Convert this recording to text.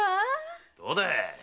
どうだい！